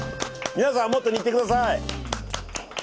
皆さんはもっと煮てください。